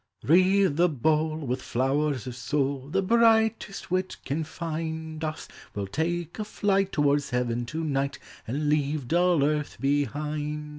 Wreathe the bowl With flowers of soul. The brightest wit can find us; We'll take a flight Towards heaven to night, And leave dull earth behind us!